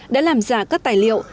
đã làm giả các tài liệu